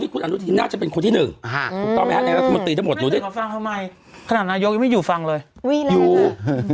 พี่ตื่นมาตั้งเช้ายังไงภาควัดที่เลี่ยวรู้สึกเต็มตั้งตอนแรก